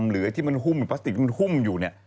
หรือไอ้ที่มันหุ้มหรือพลาสติกมันหุ้มอยู่เนี่ย